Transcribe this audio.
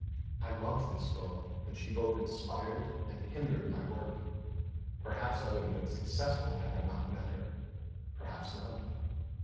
I loved this girl, and she both inspired and hindered my work. Perhaps I would have been successful had I not met her, perhaps not.